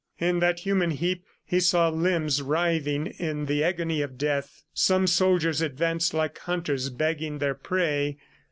In that human heap, he saw limbs writhing in the agony of death. Some soldiers advanced like hunters bagging their prey.